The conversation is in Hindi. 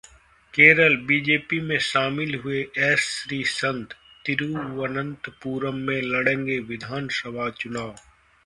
केरल: बीजेपी में शामिल हुए एस. श्रीसंत, तिरुवनंतपुरम से लड़ेंगे विधानसभा चुनाव